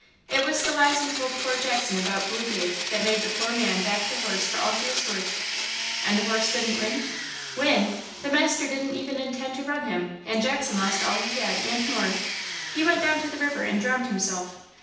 It was the lies he told poor Jackson about Blue Beard that made the poor man back the horse for all he was worth." "And the horse didn't win?" "Win! The master didn't even intend to run him, and Jackson lost all he had, and more. He went down to the river and drowned himself.